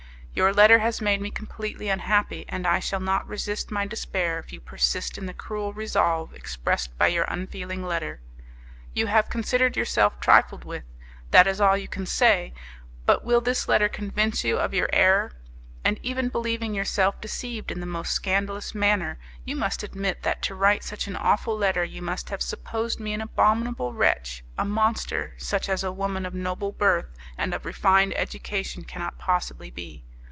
Your letter has made me completely unhappy, and I shall not resist my despair if you persist in the cruel resolve expressed by your unfeeling letter. You have considered yourself trifled with; that is all you can say; but will this letter convince you of your error? And even believing yourself deceived in the most scandalous manner, you must admit that to write such an awful letter you must have supposed me an abominable wretch a monster, such as a woman of noble birth and of refined education cannot possibly be.